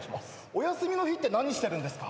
お休みの日って何してるんですか？